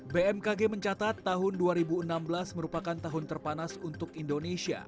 bmkg mencatat tahun dua ribu enam belas merupakan tahun terpanas untuk indonesia